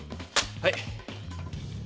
はい。